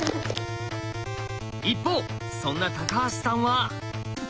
一方そんな橋さんは。